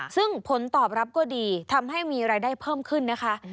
ซึ่งผลตอบรับก็ดีทำให้มีรายได้เพิ่มขึ้นนะคะ